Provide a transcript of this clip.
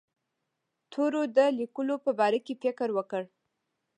تورو د لیکلو په باره کې فکر وکړ.